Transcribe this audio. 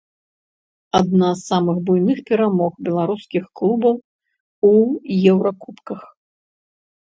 Адна з самых буйных перамог беларускіх клубаў у еўракубках.